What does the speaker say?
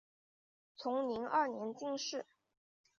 崇宁二年进士。